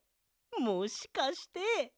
もしかして。